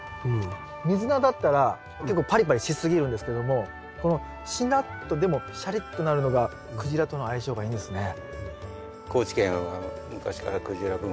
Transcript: ミズナだったら結構パリパリしすぎるんですけどもこのしなっとでもしゃりっとなるのがクジラとの相性がいいんですね。